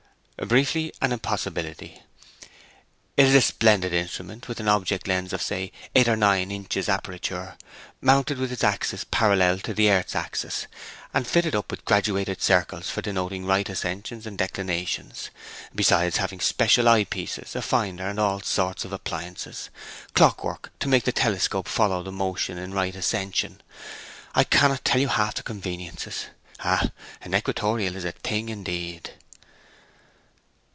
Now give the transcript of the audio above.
'Briefly, an impossibility. It is a splendid instrument, with an object lens of, say, eight or nine inches aperture, mounted with its axis parallel to the earth's axis, and fitted up with graduated circles for denoting right ascensions and declinations; besides having special eye pieces, a finder, and all sorts of appliances clock work to make the telescope follow the motion in right ascension I cannot tell you half the conveniences. Ah, an equatorial is a thing indeed!'